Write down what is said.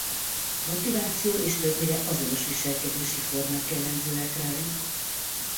Motiváció és többnyire azonos viselkedési formák jellemzőek rájuk.